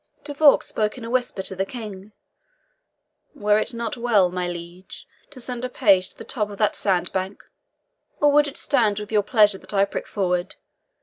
De Vaux spoke in a whisper to the King. "Were it not well, my liege, to send a page to the top of that sand bank? Or would it stand with your pleasure that I prick forward?